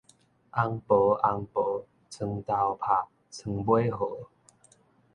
翁婆翁婆，床頭拍，床尾和